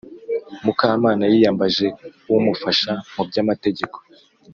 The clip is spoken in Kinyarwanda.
mukamana yiyambaje umufasha mu by’amategeko,